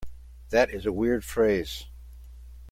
That is a weird phrase.